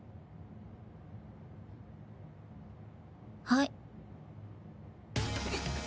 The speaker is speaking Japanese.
はい。